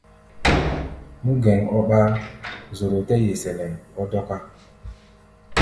Nú gɛn ɔ́ ɓáá, zoro tɛ́ ye sɛnɛ ɔ́ dɔ́ká.